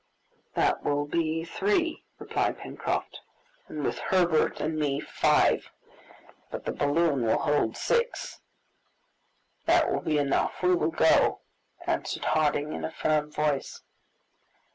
"That will be three," replied Pencroft; "and with Herbert and me five. But the balloon will hold six " "That will be enough, we will go," answered Harding in a firm voice.